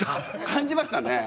感じましたね。